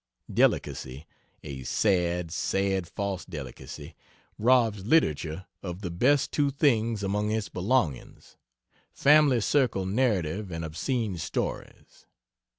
Delicacy a sad, sad false delicacy robs literature of the best two things among its belongings. Family circle narrative and obscene stories.